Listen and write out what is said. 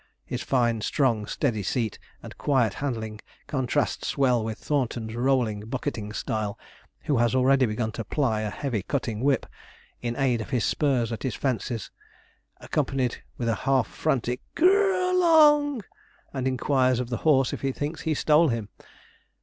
His fine, strong, steady seat, and quiet handling, contrasts well with Thornton's rolling bucketing style, who has already begun to ply a heavy cutting whip, in aid of his spurs at his fences, accompanied with a half frantic 'g u r r r along!' and inquires of the horse if he thinks he stole him?